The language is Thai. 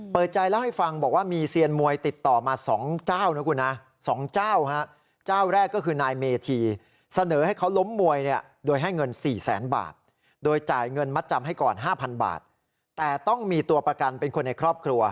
เพราะว่าถือว่าเป็นการทำลายวงการมวยไทย